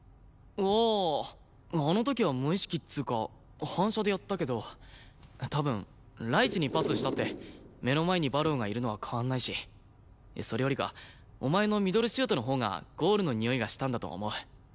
あーあの時は無意識っつうか反射でやったけど多分雷市にパスしたって目の前に馬狼がいるのは変わらないしそれよりかお前のミドルシュートのほうがゴールのにおいがしたんだと思う。